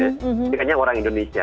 jadi kayaknya orang indonesia